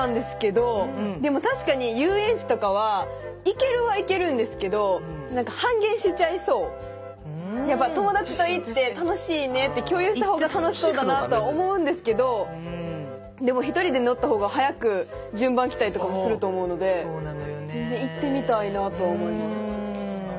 ってマインドなんですけどでも確かにやっぱ友達と行って楽しいねって共有した方が楽しそうだなとは思うんですけどでもひとりで乗った方が早く順番来たりとかもすると思うので全然行ってみたいなとは思います。